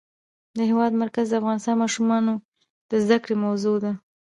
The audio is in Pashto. د هېواد مرکز د افغان ماشومانو د زده کړې موضوع ده.